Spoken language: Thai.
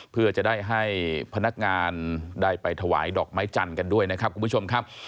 เพื่อจะได้ให้พนักงานได้ไปถวายดอกไม้จันทร์กันด้วยนะครับคุณผู้ชมครับ